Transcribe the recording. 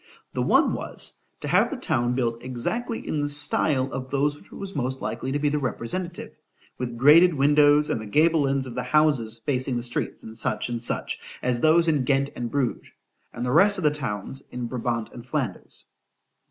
The one was, to have the town built exactly in the style of those of which it was most likely to be the representative:——with grated windows, and the gable ends of the houses, facing the streets, &c. &c.—as those in Ghent and Bruges, and the rest of the towns in Brabant and _Flanders.